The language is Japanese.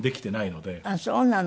あっそうなの。